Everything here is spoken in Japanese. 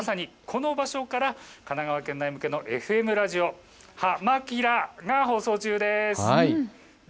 今まさにこの場所から神奈川県内向けのＦＭラジオ、はま☆キラ！が放送中です。